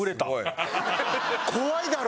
怖いだろ？